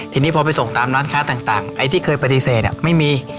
ทีนี้พอไปส่งตามร้านค้าต่างไอ้ที่เคยปฏิเสธไม่มี